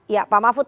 ya pak mahfud